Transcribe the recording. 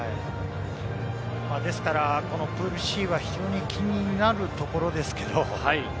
ですから、プールＣは非常に気になるところですけれども。